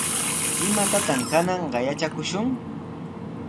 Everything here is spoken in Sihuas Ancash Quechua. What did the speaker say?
¿Imatataq kananqa yatrakushun?